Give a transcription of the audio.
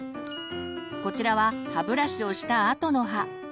こちらは歯ブラシをしたあとの歯。